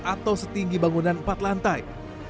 atau setinggi bangunan empat lantai